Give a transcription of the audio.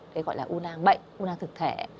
thế gọi là u nang bệnh u nang thực thể